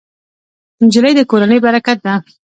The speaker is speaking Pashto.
نجلۍ د کورنۍ برکت ده.